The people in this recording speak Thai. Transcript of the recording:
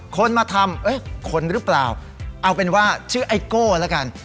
คนมาทำคนหรือเปล่าเอาเป็นว่าชื่อไอโก้แล้วกัน